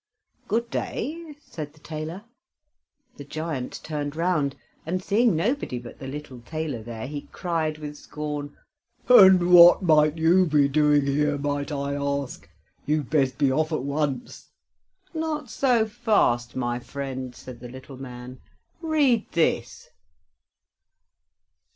"Good day," said the tailor. The giant turned round, and seeing nobody but the little tailor there, he cried with scorn: "And what might you be doing here, might I ask? You'd best be off at once." "Not so fast, my friend," said the little man; "read this."